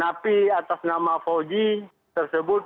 saat ini napi atas nama fauji tersebut